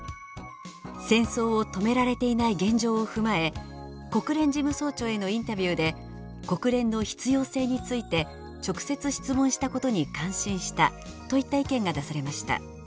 「戦争を止められていない現状を踏まえ国連事務総長へのインタビューで国連の必要性について直接質問したことに感心した」といった意見が出されました。